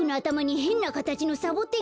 へんなかたちのサボテン？